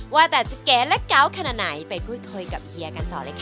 ว่าแต่จะเก๋และเก๋าขนาดไหนไปพูดคุยกับเฮียกันต่อเลยค่ะ